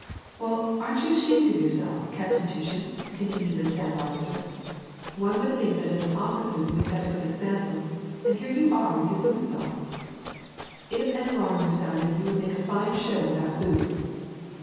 "Well, aren't you ashamed of yourself, Captain Tushin," continued the staff officer, " one would think that as an officer you would set a good example, and here you are with your boots off ! If an alarm were sounded you would make a fine show without boots!"